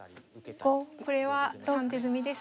これは３手詰みですね。